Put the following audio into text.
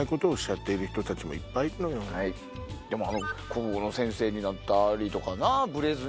国語の先生になったりとかブレずに。